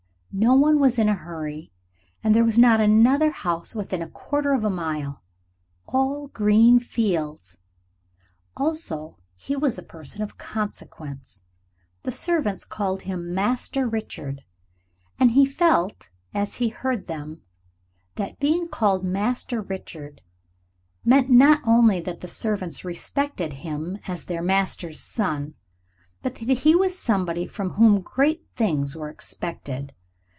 No one was in a hurry, and there was not another house within a quarter of a mile. All green fields. Also he was a person of consequence. The servants called him "Master Richard," and he felt, as he heard them, that being called Master Richard meant not only that the servants respected him as their master's son, but that he was somebody from whom great things were expected.